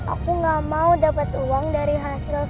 aku gak mau dapat uang dari hasil